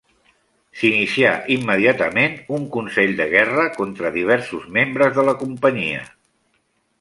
S'inicià immediatament un consell de guerra contra diversos membres de la companyia.